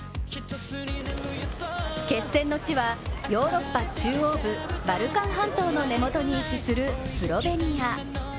決戦の地は、ヨーロッパ中央部、バルカン半島の根元に位置するスロベニア。